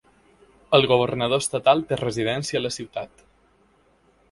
El governador estatal té residència a la ciutat.